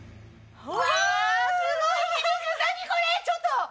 ちょっと！